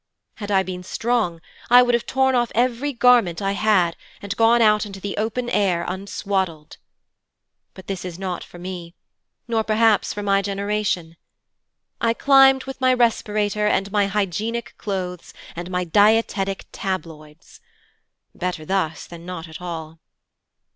Had I been strong, I would have torn off every garment I had, and gone out into the outer air unswaddled. But this is not for me, nor perhaps for my generation. I climbed with my respirator and my hygienic clothes and my dietetic tabloids! Better thus than not at all.